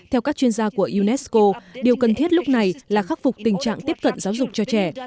với unesco điều cần thiết lúc này là khắc phục tình trạng tiếp cận giáo dục cho trẻ